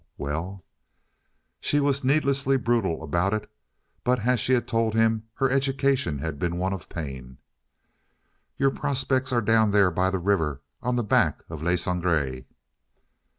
"Well?" She was needlessly brutal about it, but as she had told him, her education had been one of pain. "Your prospects are down there by the river on the back of Le Sangre."